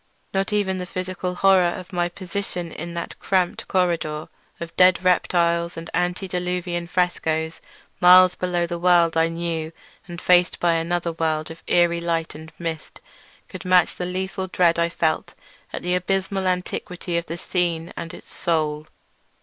Not even the physical horror of my position in that cramped corridor of dead reptiles and antediluvian frescoes, miles below the world I knew and faced by another world of eerie light and mist, could match the lethal dread I felt at the abysmal antiquity of the scene and its soul.